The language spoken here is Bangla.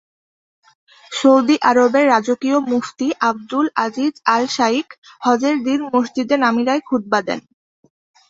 সৌদি আরবের রাজকীয় মুফতি আব্দুল আজিজ আল শাইখ হজের দিন মসজিদে নামিরায় খুতবা দেন।